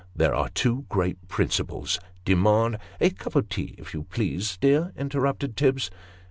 " There are two great principles demand "" A cup of tea if you please, dear," interrupted Tibbs.